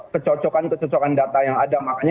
kecocokan kecocokan data yang ada makanya